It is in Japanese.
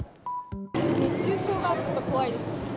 熱中症がちょっと怖いですね。